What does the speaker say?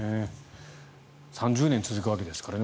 ３０年続くわけですからね。